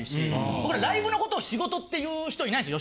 僕らライブのことを仕事って言う人いないんですよ